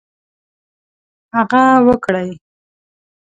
هغه وکړي.